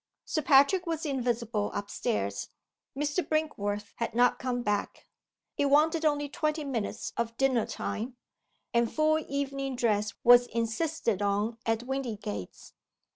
Sir Patrick was invisible up stairs. Mr. Brinkworth had not come back. It wanted only twenty minutes of dinner time; and full evening dress was insisted on at Windygates.